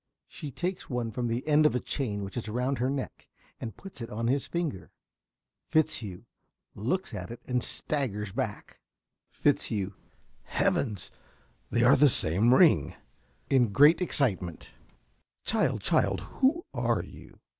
(She takes one from the end of a chain which is round her neck, and puts it on his finger. Fitzhugh looks at it and staggers back.) ~Fitzhugh.~ Heavens! They are the same ring! (In great excitement.) Child, child, who are you?